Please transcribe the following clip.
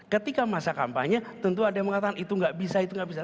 ketika masa kampanye tentu ada yang mengatakan itu tidak bisa